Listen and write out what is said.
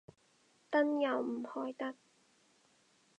燈又唔開得